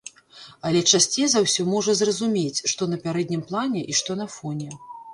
Але часцей за ўсё можа зразумець, што на пярэднім плане і што на фоне.